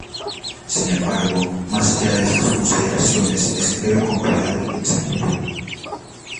Sin embargo, más allá de estas consideraciones, escribe con cuidado y exactitud.